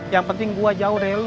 yang penting gua jauh dari lu